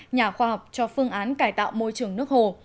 nhà khoa học cho phương án cải tạo môi trường nước hồ